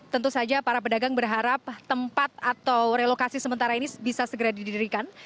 tentu saja para pedagang berharap tempat atau relokasi sementara ini bisa segera didirikan